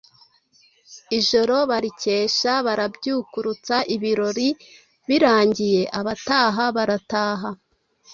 ijoro bararikesha barabyukurutsa, ibirori birangiye abataha barataha.